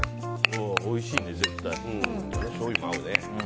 おいしいね、絶対。